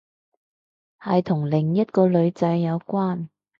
係同另一個女仔有關